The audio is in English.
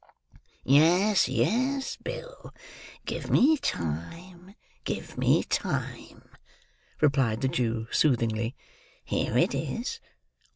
"Yes, yes, Bill; give me time, give me time," replied the Jew, soothingly. "Here it is!